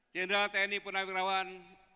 jenderal tni punah merawan